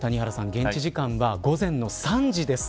現地時間は午前の３時です。